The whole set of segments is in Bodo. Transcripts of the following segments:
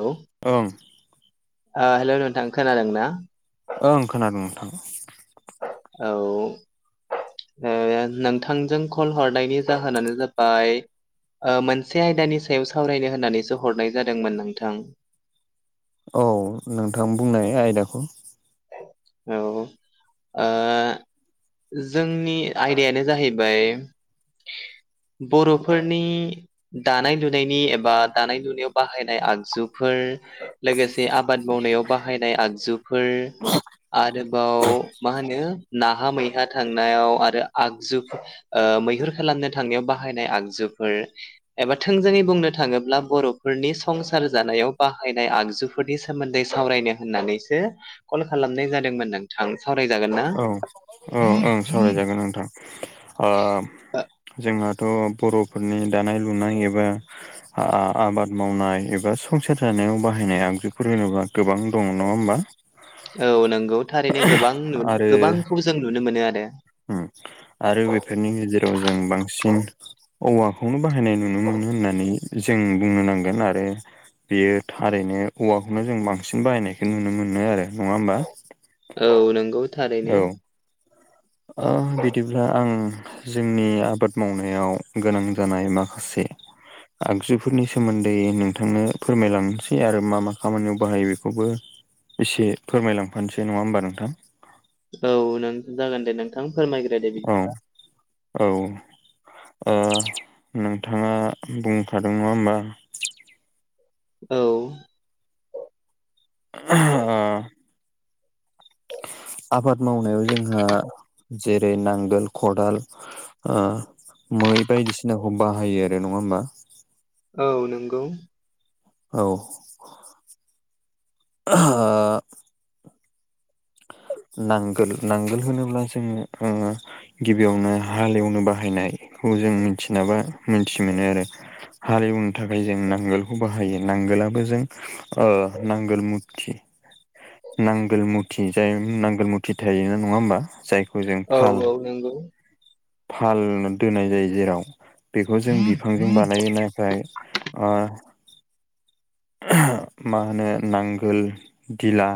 औ ओं हेलौ नोंथां खोनादों ना ओं खोनादों नोंथां औ नोंथांजों कल हरनायनि जाहोनानो जाबाय मोनसे आयदानि सायाव सावरायनो होननानैसो हरनाय जादोंमोन नोंथां औ नोंथां बुंनाय आयदाखौ औ ओ जोंनि आयदायानो जाहैबाय बर'फोरनि दानाय लुनायनि एबा दानाय लुनायाव बाहायनाय आगजुफोर लोगोसे आबाद मावनायाव बाहायनाय आगजुफोर आरोबाव मा होनो नाहा मैहा थांनायाव आरो आगजुफोर मैहुर खालामनो थांनायाव बाहायनाय आगजुफोर एबा थोंजोंङै बुंनो थाङोब्ला बर'फोरनि संसार जानायाव बाहायनाय आगजु फोरनि सोमोन्दै सावरायनो होननानैसो कल खालामनाय जादोंमोन नोंथां सावराय जागोनना औ-औ ओं सावरायजागोन नोंथां जोंहाथ' बर'फोरनि दानाय लुनाय एबा आबाद मावनाय एबा संसार जानायाव बाहायनाय आगजुफोर होनोबा गोबां दं नंङा होमबा औ नंगौ थारैनो गोबां आरो गोबांखौ जों नुनो मोनो आरो आरो बेफोरनि गेजेराव जों बांसिन औवाखौनो बाहायनाय नुनो मोनो होननानै जों बुंनो नांगोन आरो बेयो थारैनो औवाखौनो जों बांसिन बाहायनायखौ नुनो मोनो आरो नंङा होमबा औ नंगौ थारैनो औ ओ बिदिब्ला आं जोंनि आबाद मावनायाव गोनां जानाय माखासे आगजुफोरनि सोमोन्दै नोंथांनो फोरमायलांनोसै आरो मा मा खामानियाव बाहायो बेखौबो एसे फोरमायलांफानोसै नंङा होमबा नोंथां औ नों जागोन दे नोंथां फोरमायग्रो दे बि औ-औ ओ नोंथांङा बुंखादों नंङा होमबा औ [inaudible] आबाद मावनायाव जोंहा जेरै नांगोल खदाल मै बायदिसिनाखौ बाहायो आरो नङा होमबा। औ नंगौ औ [inaudible] नांगोल नांगोल होनोब्ला जोङो ओ गिबियावनो हालेवनो बाहायनायखौ जों मिथिनाबा मोनथि मोनो आरो। हालौनो थाखाय जों नांगोलखौ बाहायो नांगोलबो जों नांगोल मुथि [inaudible] नांगोल मुथि जाय नांगोल मुथि थायोना नङा होमबा जाय औ-औ नंगौ फाल दोननाय जायो जेराव। बेखौ जों बिफांजों बानायो नाथाय आ मा होनो नांगोल दिला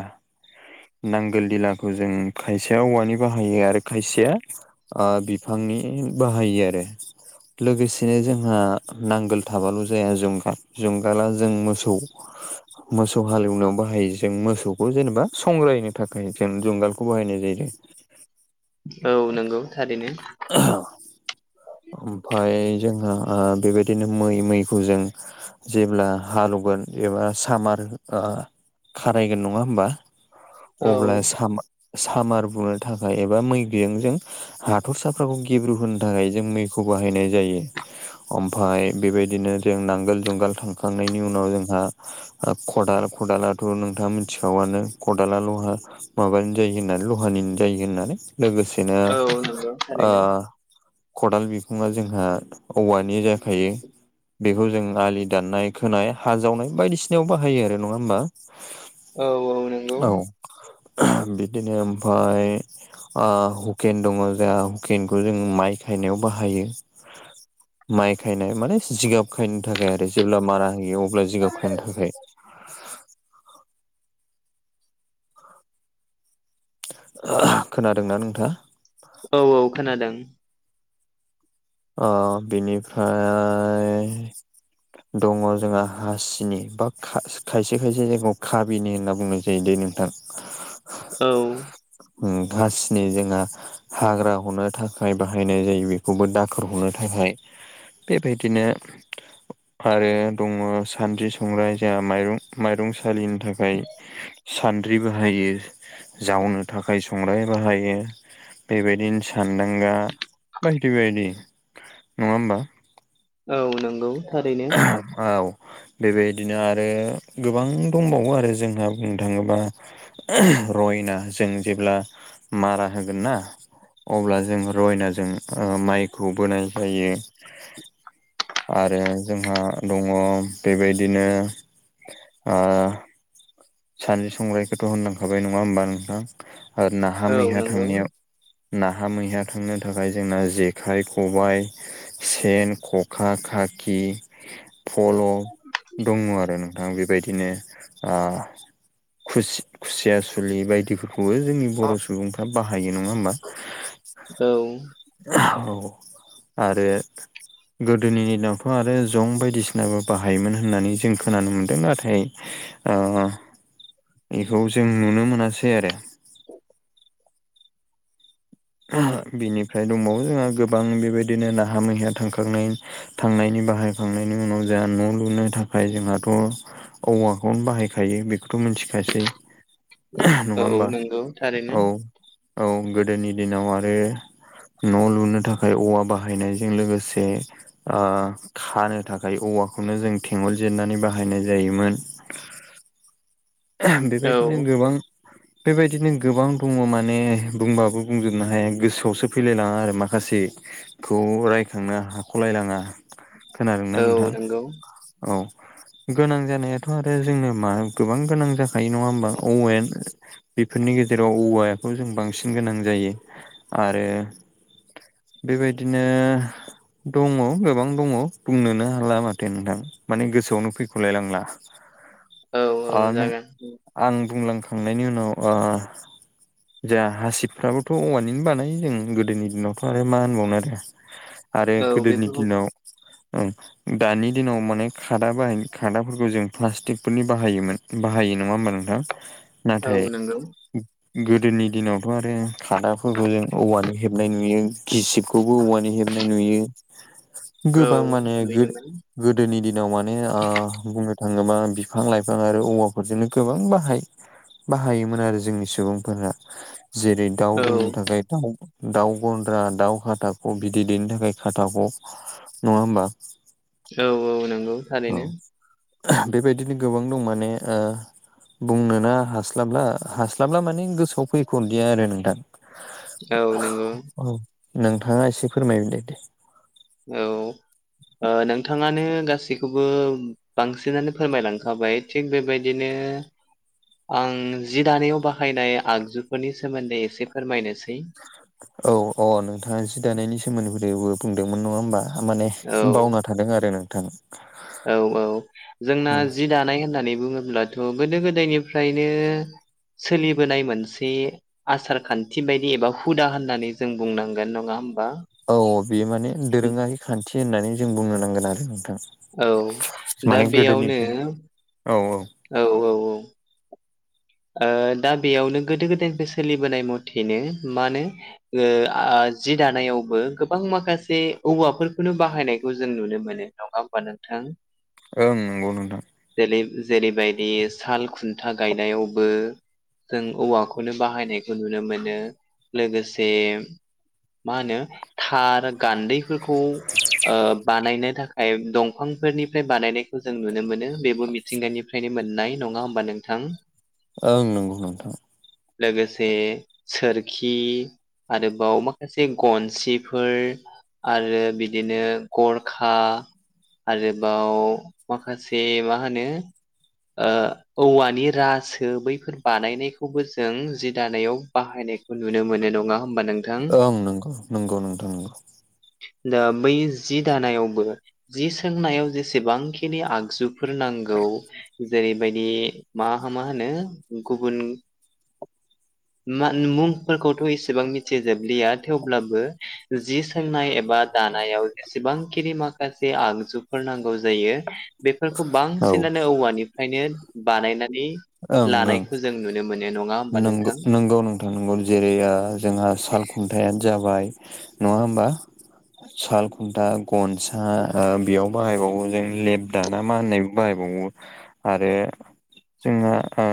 नांगोल दिलाखौ जों खायसेया औवानि बाहायो आरो खायसेया ओ बिफांनि बाहायो आरो। लोगोसेनो जोंहा नांगोल थाबाल' जोंहा जुंगाल जुंगाला जों मोसौ मोसौ हाले एवनायाव बाहायो जों मोसौखौ जेनेबा संग्रायनो थाखाय जों जुंगालखौ बाहायनाय जायो। औ नंगौ थारैनो। औ ओमफाय जोंहा बेबायदिनो मै मैखौ जों जेब्ला हालेवगोन एबा सामार खारायगोन नङा होमबा औ अब्ला सामा सामार बुनो थाखाय एबा मै बियुंजों हाथरसाफ्राखौ गेब्रु होनो थाखाय जों मैखौ बाहायनाय जायो। ओमफाय बेबायदिनो जों नांगोल जुंगाल थांखांनायनि उनाव जोंहा ओ खदाल खदलाथ' नोंथाङा मिथिखागौयानो खदाला ल'हा माबानो जायो होननानै लहानि जायो होननानै लोगोसेनो औ नंगौ ओ थारैनो खदाल बिखुङा जोंहा औवानि जाखायो बेखौ जों आलि दाननाय, खोनाय, हा जावनाय बायदिसिनायाव बाहायो आरो नङा होमबा? औ औ नोंगौ। औ बिदिनो ओमफाय ओ हुखेन दङ' हुकेनखौ जों माइ खायनायाव बाहायो। माइ खायनाय माने जिगाब खायनो थाखाय आरो जेब्ला मारा होयो अब्ला जिगाब खायनो थाखाय। खोनादोंना नोंथाङा? औ औ खोनादों। अ बिनिफ्राय दङ' जोंहा हासिनि बा खा खायसे खायसे जायगायाव खाबिनि होनना बुंनाय जायो दै नोंथां। [inaudible] औ ओम हासिनि जोंहा हाग्रा हनो थाखाय बाहायनाय जायो बेखौबो दा खौ हनो थाखाय बेबायदिनो आरो दङ' सानद्रि, संग्राय जाहा माइरं माइरं सालिनो थाखाय सान्द्रि बाहायो। जावनो थाखाय संग्राय बाहायो। बेबायदिनो सानदांगा बायदि बायदि नङा होमबा? औ नोंगौ। औ बेबायदिनो आरो गोबां दंबावो आरो जोंहा बुंनो थाङोब्ला रयना जों जेब्ला मारा होगोन ना अब्ला जों रयनाजों ओ माइखौ बोनाय जायो आरो जोंहा दङ' बेबायदिनो ओ सानद्रि-संग्रायखौथ' होनलांखाबाय नङा होमबा नोंथां आरो औ नाहा-मैहा नंगौ थांनायाव नाहा-मैहा थांनो थाखाय जोंना जेखाइ-खबाइ सेन, ख'खा, खाखि फल' दङ' आरो नोंथां बेबायदिनो ओ खुसि खुसिया सुलि बायदिफोरखौबो जोंनि बर' सुबुंफ्रा बाहायो नङा होमबा? औ औ आरो गोदोनि दिनावथ' आरो जं बायदिसिनाबो बाहायोमोन होननानै जों खोनानो मोन्दों नाथाय ओ इखौ जों नुनो मोनासै आरो बिनिफ्राय दंबावो जोंहा गोबां बेबायदिनो नाहा मैया थांखांनाय थांनायनि बाहायखांनायनि उनाव जोंहा न' लुनो थाखाय जोंहाथ औवाखौनो बाहायखायो बेखौथ' मिनथिखासै नङा औ होमबा नंगौ थारैनो औ औ गोदोनि दिनाव आरो न' लुनो थाखाय औवा बाहायनायजों लोगोसे ओ खानो थाखाय औवाखौनो जों थेंगल जिरनानै बाहायनाय जायोमोन औ बेबायदिनो गोबां बेबायदिनो गोबां दङ' माने बुंबाबो बुंजोबनो हाया गोसोआवसो फैलायलाङा आरो माखासे खौ रायखांनो हाख'लायलाङा खोनादोंना औ नोंथां नंगौ औ गोनां जानायाथ' आरो जोंनो मा गोबां गोनां जाखायो नङा होमबा औवायानो बेफोरनि गेजेराव औवाखौ जों बांसिन गोनां जायो आरो बेबायदिनो दङ' गोबां दङ' बुंनोनो हाला माथो नोंथां माने गोसोआवनो फैख'लाय लांला औ औ आ नों जागोन आं बुंलांखांनायनि उनाव ओ जोंहा हासिबफ्राबोथ औवानिनो बानायो जों गोदोनि दिनावथ आरो मा होनबावनो आरो [inaudible] आरो गोदोनि बेफोरखौ दिनाव औ दानि दिनाव माने खादा बाहाय खादाफोरखौ जों प्लास्टिकफोरनि बाहायोमोन बाहायो नङा होमबा नोंथां औ नाथाय नंगौ गोदोनि दिनावथ आरो खादाफोरखौ जों औवानि हेबनाय नुयो गिसिबखौबो औवानि हेबनाय नुयो औ गोबां माने लुयोमोन गोदोनि दिनाव माने बुंनो थाङोबा बिफां लाइफां आरो औवाफोरजोंनो गोबां बाहाय बाहायोमोन आरो जोंनि सुबुंफोरा जेरै दाउ औ दोननो थाखाय दाउ दाउ गन्द्रा दाउ खाथाख बिदै दैनो थाखाय खाथाख नङा होमबा औ औ नंगौ औ थारैनो बेबायदिनो गोबां दं माने बुंनोना हास्लाबला हास्लाबला माने गोसोआव फैखदिया आरो नोंथां औ नंगौ नोंथाङा एसे फोरमायदो दे औ नोंथाङानो गासैखौबो बांसिनानो फोरमायलांखाबाय थिग बेबायदिनो आं जि दानायाव बाहायनाय आगजुफोरनि सोमोनदै एसे फोरमायनोसै औ अ नोंथाङा जि दानायनि सोमोन्दैबो बुंदोंमोन नङा होमबा माने औ बावना थादों आरो नोंथां औ औ जोंना जि दानाय होननानै बुङोब्लाथ' गोदो गोदायनिफ्रायनो सोलिबोनाय मोनसे आसार खान्थि बायदि एबा हुदा होननानै जों बुंनांगोन नङा होमबा औ बेयो माने दोरोङारि खान्थि होननानै जों बुंनो नांगोन आरो नोंथां औ दा माने बेयावनो गोदोनिफ्रायनो औ औ औ औ औ ओ दा बेयावनो गोदो गोदायनिफ्राय सोलिबोनाय मथेनो मा होनो ओ जि दानायावबो गोबां माखासे औवाफोरखौनो बाहायनायखौ जों नुनो मोनो नङा होमबा नोंथां ओं नंगौ नोंथां जेरै जेरैबायदि साल खुनथा गायनायाव बो जों औवाखौनो बाहायनायखौ नुनो मोनो लोगोसे मा होनो थार गानदैफोरखौ ओ बानायनो थाखाय दंफांफोरनिफ्राय बानायनायखौ जों नुनो मोनो बेबो मि थिंगानिफ्रायनो मोननाय नङा होमबा नोंथां ओं नंगौ नोंथां लोगोसे सोरखि आरोबाव माखासे गनसिफोर आरो बिदिनो गरखा आरोबाव माखासे मा होनो ओ औवानि राज सो बैफोर बानायनायखौबो जों जि दानायाव बाहायनायखौ नुनो मोनो नङा होमबा नों ओं नंगौ नंगौ नोंथां नंगौ दा बै जि दानायावबो जि सोंनायाव जेसेबांखिनि आगजुफोर नांगौ जेरैबायदि मा मा होनो गुबुन मा मुंफोरखौथ' एसेबां मिथिजोबलिया थेवब्लाबो जि सोंनाय एबा दानायाव जेसेबांखिनि माखासे आगजुफोर नांगौ जायो बेफोरखौ औ बांसिनानो औवानिफ्रायनो बानायनानै ओं ओं लानायखौ जों नुनो मोनो नङा होमबा नोंगौ नोंथां नंगौ नं नोंगौ जेरै आ जोंहा साल खुंथायानो जाबाय नङा होमबा साल खुन्था गनसा ओ बेयाव बाहायबावो जों लेपदा ना मा होननाय बाहायबावो आरो जोंहा ओ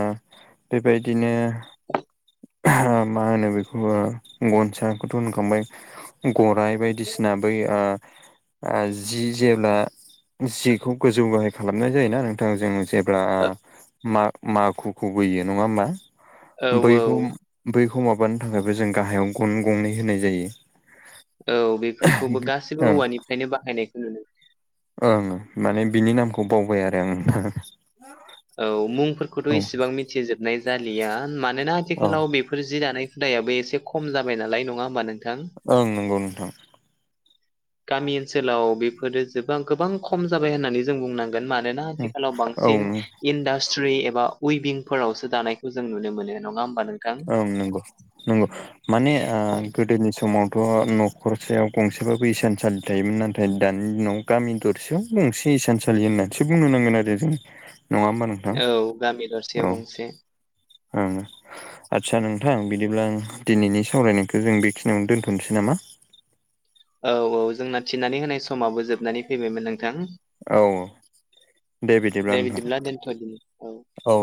बेबायदिनो [inaudible] मा होनो बेखौ गनसाखौथ' होनखांबाय गराय बायदिसिना बै ओ ओ जि जेब्ला जिखौ गोजौ गाहाय खालामनाय जायोना नोंथां जों जे ब्ला औ मा माखुखौ बोयो नङा होमबा औ बैखौ बैखौ माबानो थाखायबो जों गाहायाव गन गंनै होनाय जायो औ बेफोरखौबो गासैबो ओं औवानिफ्रायनो बाहायनायखौ नुनो ओं माने बिनि नामखौ बावबाय आरो आं नोंथां औ मुंफोरखौथ' इसेबां मिथिजोबनाय जालिया मानोना आथिखालाव बेफोर जि दानाय हुदायाबो एसे खम जाबाय नालाय नङा होमबा नोंथां ओं नंगौ नोंथां गामि ओनसोलाव बेफोरो जोबां गोबां खम जाबाय होननानै जों बुंनां मानोना आथिखालाव औ बांसिन इनदाट्रि एबा उइभिंफोरावसो दानायखौ जों नुनो मोनो नङा होमबा नों ओं नंगौ नंगौ माने ओ गोदोनि समावथ' न'खरसेायाव गंसेबाबो इसानसालि थायोमोन नाथाय दानि दिनाव गामि दरसे गंसे सानसालि मोनसोबो नुनो मोना दे जों नङा होमबा नों औ गामि दरसेयाव गंसे ओं आदसा नोंथां बिदिब्ला दिनैनि सावरायनायखौ जों बेखिनियावनो दोनथ'नोसै नामा औ औ जोंना थिननानै होनाय समाबो जोबनानै फैबायमोन नोंथां औ औ दे बिदिब्ला नोंथां औ